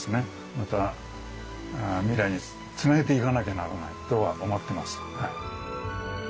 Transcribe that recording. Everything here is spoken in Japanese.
また未来につなげていかなきゃならないとは思ってます。